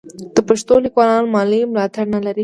د پښتو لیکوالان مالي ملاتړ نه لري.